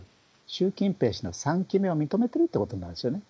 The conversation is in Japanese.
習近平氏の３期目を認めてるってことになるんですよね。